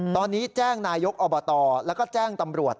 ตอนนี้แจ้งนายกอบตแล้วก็แจ้งตำรวจ